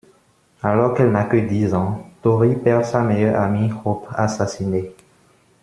Alors qu'elle n'a que dix ans, Tory perd sa meilleure amie Hope, assassinée.